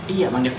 iya manggil temen